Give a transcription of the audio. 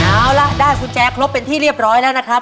เอาล่ะได้กุญแจครบเป็นที่เรียบร้อยแล้วนะครับ